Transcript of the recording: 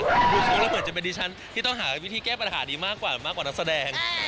ดูก็คิดมันจะเป็นวิทย์ทั้งที่ต้องหาแค่วิธีแก้ปัญหาดีมากกว่ากับนักแสดง